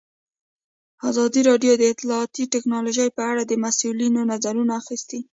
ازادي راډیو د اطلاعاتی تکنالوژي په اړه د مسؤلینو نظرونه اخیستي.